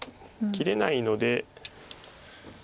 切れないので。